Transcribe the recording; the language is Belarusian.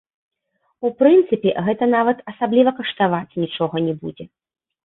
У прынцыпе, гэта нават асабліва каштаваць нічога не будзе.